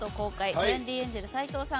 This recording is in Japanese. トレンディエンジェル斎藤さん